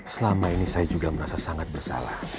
selama ini saya juga merasa sangat bersalah